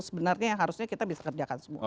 sebenarnya yang harusnya kita bisa kerjakan semua